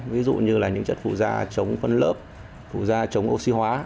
ví dụ như là những chất phụ da chống phân lớp phụ da chống oxy hóa